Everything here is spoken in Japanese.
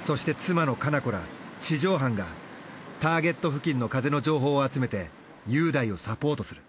そして妻の華菜子ら地上班がターゲット付近の風の情報を集めて雄大をサポートする。